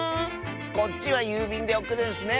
こっちはゆうびんでおくるんスね！